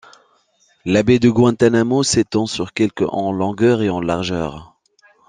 La baie de Guantánamo s'étend sur quelque en longueur et en largeur.